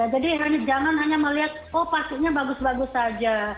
jadi jangan hanya melihat oh pastinya bagus bagus saja